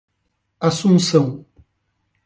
Assunção